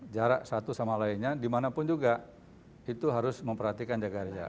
jarak satu sama lainnya dimanapun juga itu harus memperhatikan jaga jarak